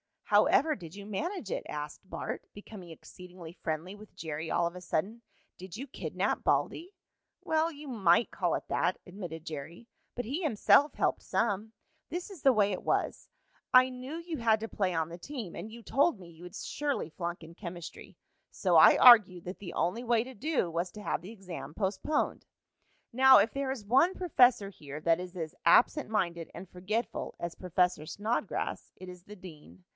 "How ever did you manage it?" asked Bart, becoming exceedingly friendly with Jerry all of a sudden. "Did you kidnap Baldy?" "Well, you might call it that," admitted Jerry. "But he himself helped some. This is the way it was. I knew you had to play on the team, and you told me you would surely flunk in chemistry. So I argued that the only way to do was to have the exam postponed. "Now, if there is one professor here that is as absent minded and forgetful as Professor Snodgrass, it is the dean.